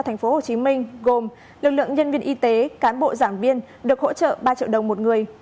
thành phố hồ chí minh gồm lực lượng nhân viên y tế cán bộ giảng viên được hỗ trợ ba triệu đồng một người